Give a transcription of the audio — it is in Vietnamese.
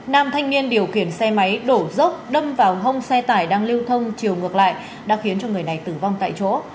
nam thanh niên điều khiển xe máy đổ dốc đâm vào hông xe tải đang lưu thông chiều ngược lại đã khiến cho người này tử vong tại chỗ